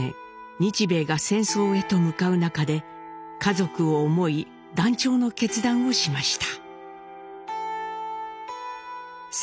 日米が戦争へと向かう中で家族を思い断腸の決断をしました。